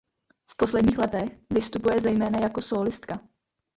V posledních letech vystupuje zejména jako sólistka.